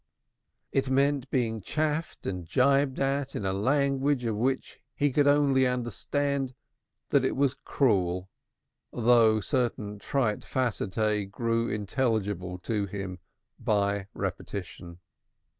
It meant being chaffed and gibed at in language of which he only understood that it was cruel, though certain trite facetiae grew intelligible to him by repetition.